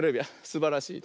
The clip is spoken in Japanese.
すばらしい。